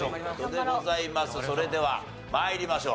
それでは参りましょう。